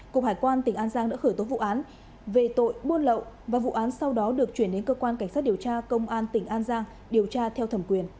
cục hải quan tỉnh an giang đã khởi tố vụ án về tội buôn lậu và vụ án sau đó được chuyển đến cơ quan cảnh sát điều tra công an tỉnh an giang điều tra theo thẩm quyền